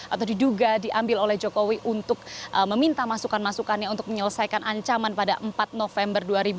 atau diduga diambil oleh jokowi untuk meminta masukan masukannya untuk menyelesaikan ancaman pada empat november dua ribu dua puluh